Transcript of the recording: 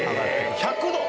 １００度？